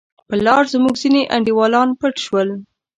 پر لار زموږ ځیني انډیوالان پټ شول.